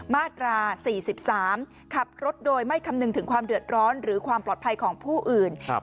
มาตรา๔๓ขับรถโดยไม่คำนึงถึงความเดือดร้อนหรือความปลอดภัยของผู้อื่น